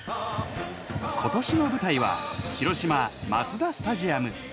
今年の舞台は広島マツダスタジアム。